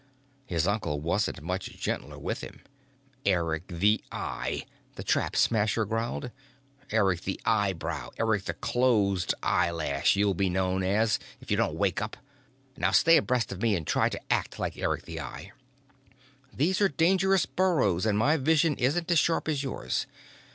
His uncle wasn't much gentler with him. "Eric the Eye!" the Trap Smasher growled. "Eric the Eyebrow, Eric the Closed Eyelash, you'll be known as, if you don't wake up! Now stay abreast of me and try to act like Eric the Eye. These are dangerous burrows and my vision isn't as sharp as yours.